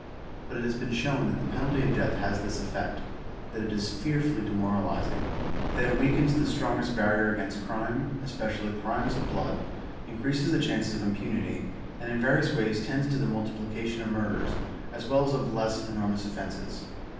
But it has been shown that the penalty of death has this effect ; that it is fearfully de 118 mOTalisiiig, that it weakens the strongest barrier against crimei especially crimes of blood, increases the chances of impunity, and in rarious wa3r8 tends to the multiplication of murders, as Dvell as of less enormous offenses.